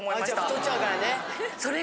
太っちゃうからね。